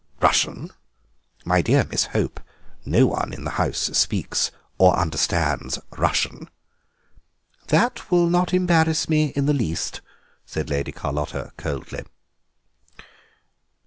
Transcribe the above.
"Russian? My dear Miss Hope, no one in the house speaks or understands Russian." "That will not embarrass me in the least," said Lady Carlotta coldly.